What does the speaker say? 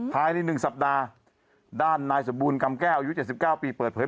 ภายใน๑สัปดาห์ด้านนายสมบูรณกรรมแก้วอายุ๗๙ปีเปิดเผย